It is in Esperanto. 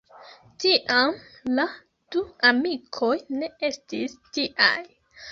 Tiam la du amikoj ne estis tiaj.